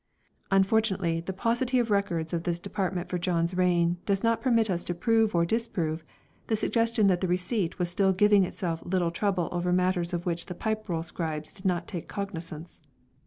Unfortunately the paucity of records of this department for John's reign does not permit us to prove or disprove the suggestion that the Receipt was still giving itself little trouble over matters of which the Pipe Roll scribes did not take cognisance.